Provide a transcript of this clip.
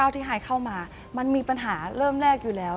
ที่ไฮเข้ามามันมีปัญหาเริ่มแรกอยู่แล้ว